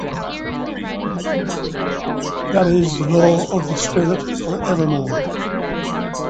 That is the law of the spirit for evermore.